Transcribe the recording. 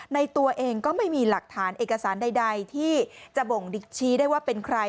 ในตัวเองก็ไม่มีหลักฐานเอกสารใดที่จะบ่งชี้ได้ว่าเป็นใคร